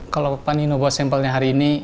kalau bapak nino bawa sampelnya hari ini